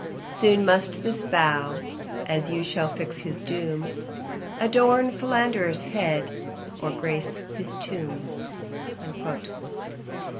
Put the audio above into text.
Soon must this bough, as you shall fix his doom, Adorn Philander's head, or grace his tomb.'